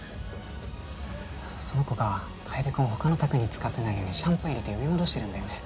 その子が楓君をほかの卓に付かせないようにシャンパン入れて呼び戻してるんだよね。